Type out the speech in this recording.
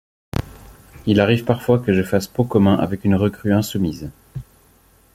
Il arrive parfois que je fasse pot commun avec une recrue insoumise.